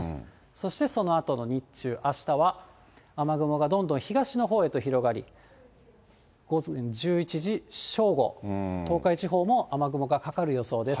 そしてそのあとの日中、あしたは雨雲がどんどん東のほうへと広がり、午前１１時、正午、東海地方も雨雲がかかる予想です。